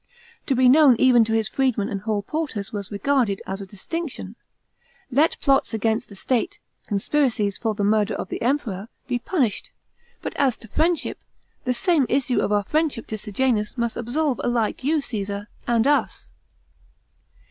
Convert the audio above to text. * To be known even to his freedmen and hall porters was regarded as a distinction. Let plots against the state, conspiracies for the murder of the Emperor, be punished; but as to friendship, the same issue of our friendship to Sejanus must absolve alike you, Caesar, and us."